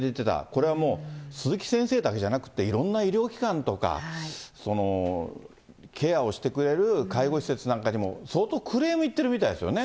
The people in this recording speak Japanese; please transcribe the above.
これはもう、鈴木先生だけじゃなくて、いろんな医療機関とか、ケアをしてくれる介護施設なんかにも、相当クレーム言ってるみたいですよね。